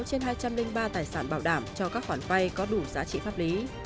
chỉ chín mươi sáu trên hai trăm linh ba tài sản bảo đảm cho các khoản vay có đủ giá trị pháp lý